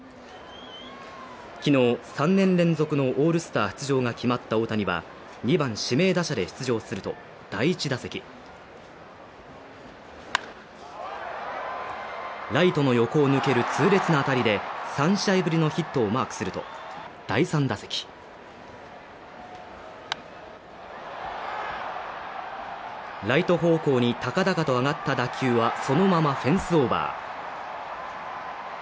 昨日３年連続のオールスター出場が決まった大谷は２番指名打者で出場すると、第１打席ライトの横を抜ける痛烈な当たりで３試合ぶりのヒットをマークすると、第３打席ライト方向に高々と上がった打球はそのままフェンスオーバー